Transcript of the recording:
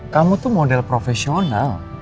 kamu tuh model profesional